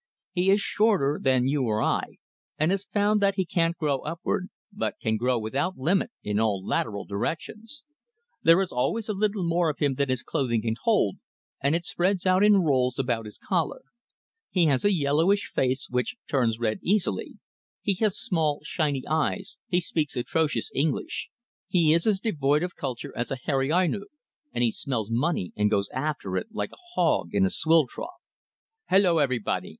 He is shorter than you or I, and has found that he can't grow upward, but can grow without limit in all lateral directions. There is always a little more of him than his clothing can hold, and it spreads out in rolls about his collar. He has a yellowish face, which turns red easily. He has small, shiny eyes, he speaks atrocious English, he is as devoid of culture as a hairy Ainu, and he smells money and goes after it like a hog into a swill trough. "Hello, everybody!